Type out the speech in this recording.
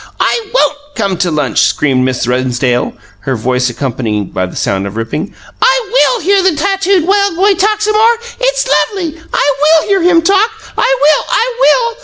"I WON'T go home to lunch!" screamed Miss Rennsdale, her voice accompanied by a sound of ripping. "I WILL hear the tattooed wild boy talk some more! It's lovely I WILL hear him talk! I WILL!